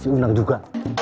kamu menang juga